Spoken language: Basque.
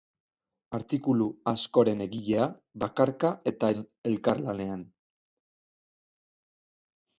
Artikulu askoren egilea, bakarka eta elkarlanean.